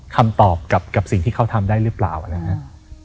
คำตอบกับสิ่งที่เขาทำได้หรือเปล่านะครับ